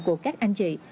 của các anh chị